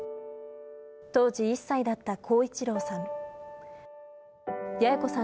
当時１歳だった耕一郎さん。